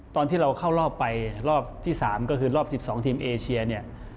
ตอนที่เราเข้ารอบไปรอบที่๓ก็คือรอบ๑๒ทีมเอเชียเนี่ย